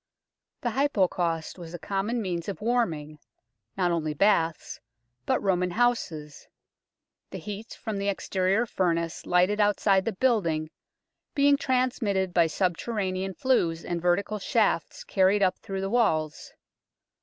The Hypocaust was a common means of warming, not only baths, but Roman houses, the heat from the exterior furnace lighted outside the building being transmitted by subterranean flues and vertical shafts carried up through the walls.